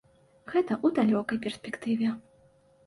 Гэта ў далёкай перспектыве.